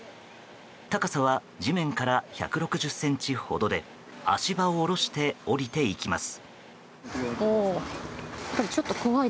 高さは地面から１６０ｃｍほどで足場を下ろして降りていきます。